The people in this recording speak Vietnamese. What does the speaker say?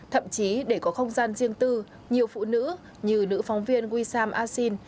thậm chí để có không gian riêng tư nhiều phụ nữ như nữ phóng viên wissam asin